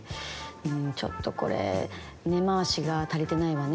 「ちょっとこれ根回しが足りてないわね」。